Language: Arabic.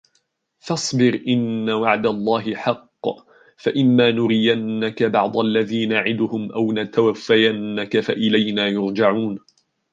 فاصبر إن وعد الله حق فإما نرينك بعض الذي نعدهم أو نتوفينك فإلينا يرجعون